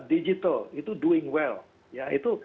digital itu melakukan dengan baik